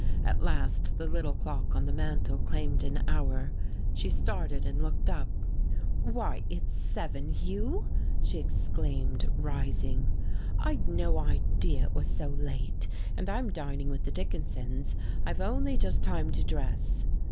At last the little clock on the mantel chimed an hour, she started and looked up. "Why, it's seven, Hugh!" she exclaimed, rising. "I'd no idea it was so late, and I'm dining with the Dickinsons. I've only just time to dress."